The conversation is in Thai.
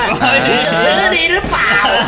มันจะซื้อดีหรือเปล่า